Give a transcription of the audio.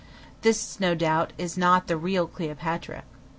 This, no doubt, is not the real Cleopatra.